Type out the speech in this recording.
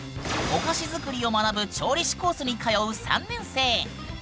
お菓子作りを学ぶ調理師コースに通う３年生。